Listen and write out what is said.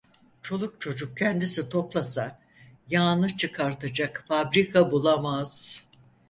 Çoluk çocuk kendisi toplasa, yağını çıkartacak fabrika bulamaz.